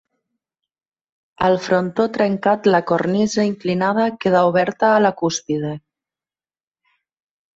Al frontó trencat la cornisa inclinada queda oberta a la cúspide.